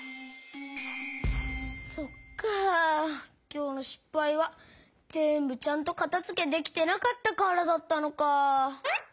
きょうのしっぱいはぜんぶちゃんとかたづけできてなかったからだったのか。